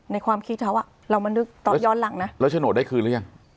ความคิดเขาอ่ะเรามันนึกตอนย้อนหลังนะแล้วโฉนดได้คืนหรือยัง